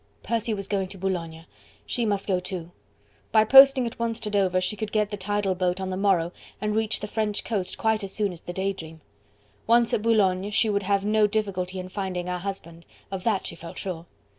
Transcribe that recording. Percy was going to Boulogne... she must go too. By posting at once to Dover, she could get the tidal boat on the morrow and reach the French coast quite as soon as the "Day Dream." Once at Boulogne, she would have no difficulty in finding her husband, of that she felt sure.